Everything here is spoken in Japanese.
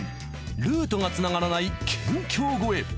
ルートが繋がらない県境越え。